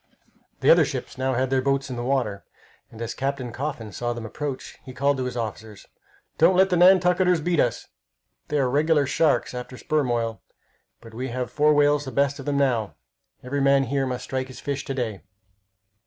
The other ships now had their boats in the water, and as Captain Coffin saw them approach he called to his officers: "Don't let the Nantucketers beat us! They are regular sharks after sperm oil, but we have four whales the best of them now. Every man here must strike his fish to day."